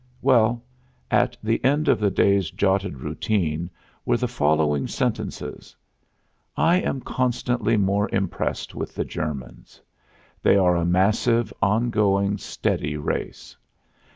Well, at the end of the day's jotted routine were the following sentences: "I am constantly more impressed with the Germans. They are a massive, on going, steady race.